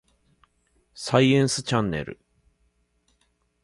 サイエンスチャンネル